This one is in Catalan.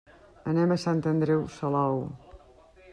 Anem a Sant Andreu Salou.